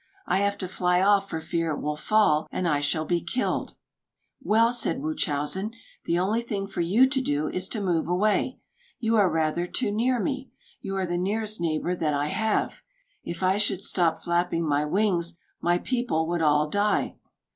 I have to fly off for fear it will fall, and I shall be killed." "Well," said Wūchowsen, "the only thing for you to do, is to move away. You are rather too near me. You are the nearest neighbor that I have. If I should stop flapping my wings, my people would all die."